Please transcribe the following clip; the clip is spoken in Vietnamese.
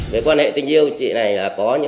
với quan hệ tình yêu chị này là có những